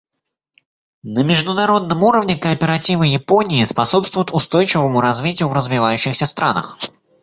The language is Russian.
На международном уровне кооперативы Японии способствуют устойчивому развитию в развивающихся странах.